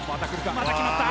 また決まった。